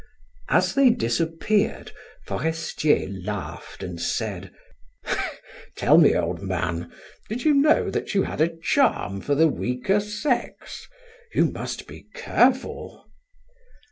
As they disappeared, Forestier laughed and said: "Tell, me, old man, did you know that you had a charm for the weaker sex? You must be careful."